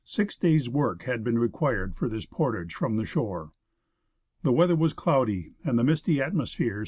Six days' work had been required for this portage from the shore. The weather was cloudy, and the misty atmosphere seemed to ' F. N.